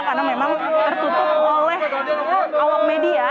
karena memang tertutup oleh awam media